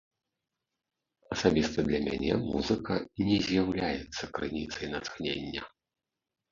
Асабіста для мяне музыка не з'яўляецца крыніцай натхнення.